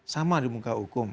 sama di muka hukum